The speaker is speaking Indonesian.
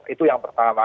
itu yang pertama